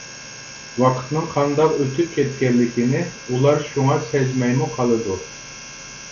ۋاقىتنىڭ قانداق ئۆتۈپ كەتكەنلىكىنى ئۇلار شۇڭا سەزمەيمۇ قالىدۇ.